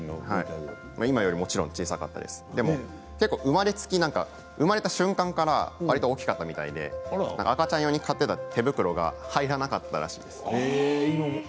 今よりももちろん小さかったんですでも生まれつき、生まれた瞬間からわりと大きかったみたいで赤ちゃん用に買っていた手袋が入らなかったらしいです。